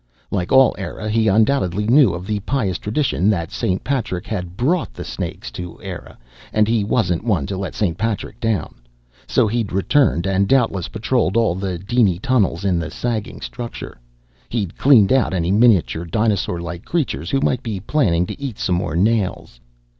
Like all Eire, he undoubtedly knew of the pious tradition that St. Patrick had brought the snakes to Eire, and he wasn't one to let St. Patrick down. So he'd returned and doubtless patrolled all the diny tunnels in the sagging structure. He'd cleaned out any miniature, dinosaurlike creatures who might be planning to eat some more nails.